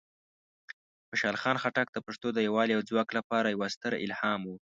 خوشحال خان خټک د پښتنو د یوالی او ځواک لپاره یوه ستره الهام وه.